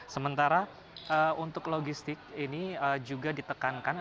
sementara untuk logistik ini juga ditekankan